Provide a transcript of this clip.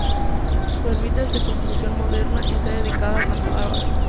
Su ermita es de construcción moderna y está dedicada a santa Bárbara.